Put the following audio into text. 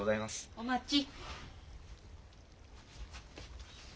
お待ち。